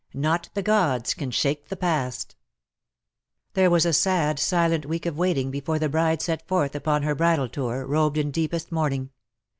1 GODS CAN SHAKE There was a sad silent week of waiting before the bride set forth upon her bridal tour, robed in deepest mourniDg.